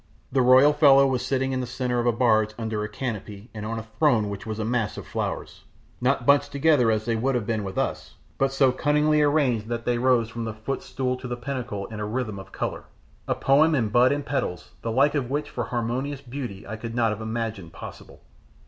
The royal fellow was sitting in the centre of the barge under a canopy and on a throne which was a mass of flowers, not bunched together as they would have been with us, but so cunningly arranged that they rose from the footstool to the pinnacle in a rhythm of colour, a poem in bud and petals the like of which for harmonious beauty I could not have imagined possible.